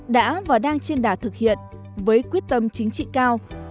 đã và đang trên đả thực hiện với quyết tâm chính trị cao